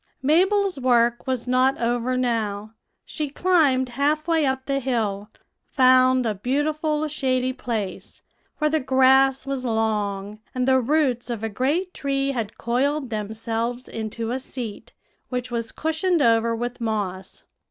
"Mabel's work was not over now; she climbed half way up the hill, found a beautiful shady place, where the grass was long, and the roots of a great tree had coiled themselves into a seat, which was cushioned over with moss.